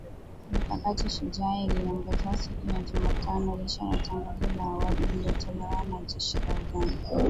Mikakati Shujaa iliongezwa siku ya Jumatano licha ya tangazo la awali lililotolewa na jeshi la Uganda